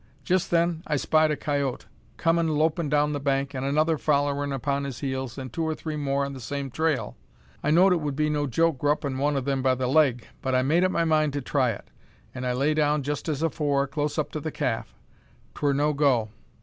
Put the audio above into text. Jest then I spied a coyoat comin' lopin' down the bank, an' another follerin' upon his heels, an' two or three more on the same trail. I know'd it wud be no joke gruppin' one o' them by the leg, but I made up my mind to try it; an' I lay down jest as afore, close up to the calf. 'Twur no go.